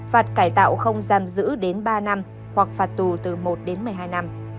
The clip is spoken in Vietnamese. phạt cải tạo không giam giữ đến ba năm hoặc phạt tù từ một đến một mươi hai năm